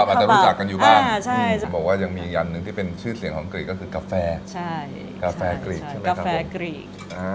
ขบับอาจจะรู้จักกันอยู่บ้างบอกว่ายังมีอีกอย่างหนึ่งที่เป็นชื่อเสียงของกรี๊กก็คือกาแฟกาแฟกรี๊ก